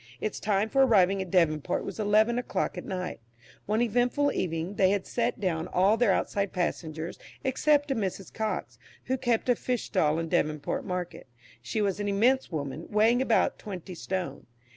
Its time for arriving at Devonport was eleven o'clock at night. One eventful evening, they had set down all their outside passengers except a Mrs. Cox, who kept a fish stall in Devonport Market. She was an immense woman, weighing about twenty stone.